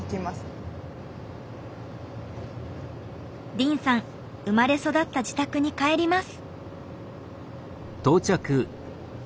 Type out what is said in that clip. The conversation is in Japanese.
凜さん生まれ育った自宅に帰ります。